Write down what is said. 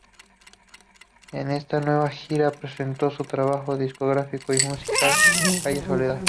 En esta nueva gira, presentó su trabajo discográfico y musical Calle Soledad.